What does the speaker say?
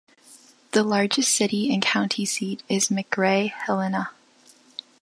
The largest city and county seat is McRae-Helena.